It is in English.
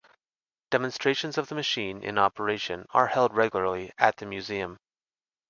Demonstrations of the machine in operation are held regularly at the museum.